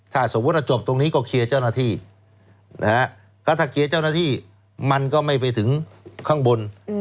ถ้าสมมุติว่าจบตรงนี้ก็เคลียร์เจ้าหน้าที่นะฮะก็ถ้าเคลียร์เจ้าหน้าที่มันก็ไม่ไปถึงข้างบน